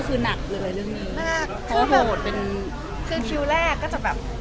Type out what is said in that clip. คือแบบคือคลิวแรกก็จะแบบ